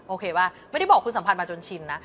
โอเคว่าไม่ได้บอกคุณสัมพันธ์มาจนชินนะ